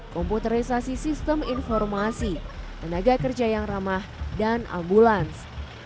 komputerisasi sistem informasi tenaga kerja yang ramah dan ambulans